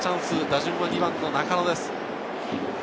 打順は２番の中野です。